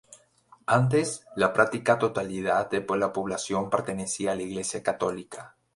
Antes, la práctica totalidad de la población pertenecía a la iglesia católica.